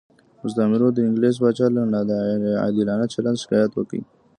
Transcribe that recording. مستعمرو د انګلیس پاچا له ناعادلانه چلند شکایت وکړ.